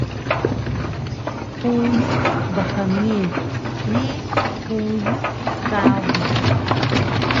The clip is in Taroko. quyu bhngil ni quyu kawir